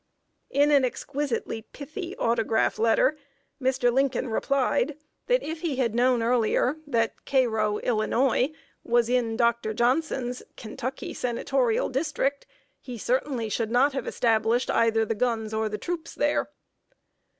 ] In an exquisitely pithy autograph letter, Mr. Lincoln replied, if he had known earlier that Cairo, Illinois, was in Dr. Johnson's Kentucky Senatorial District, he certainly should not have established either the guns or the troops there!